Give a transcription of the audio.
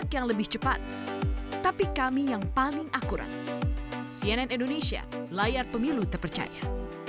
sampai jumpa di video selanjutnya